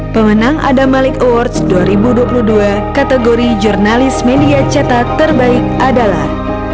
pemenang adamalik awards dua ribu dua puluh dua kategori jurnalis media cetak terbaik adalah